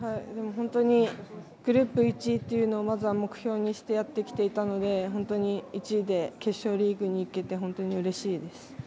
本当にグループ１位というのをまずは目標にしてやってきていたので本当に１位で決勝リーグにいけて本当にうれしいです。